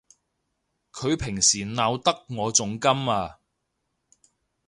佢平時鬧得我仲甘啊！